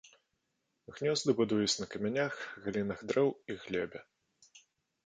Гнёзды будуюць на камянях, галінах дрэў і глебе.